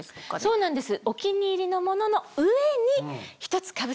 そうなんです。